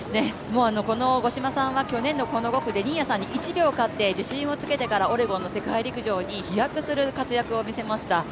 この五島さんはこの５区で新谷さんに１秒勝って自信をつけてからオレゴンの世界陸上に飛躍する活躍を見せました。